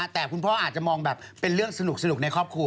แต่คุณพ่ออาจจะมองแบบเป็นเรื่องสนุกในครอบครัว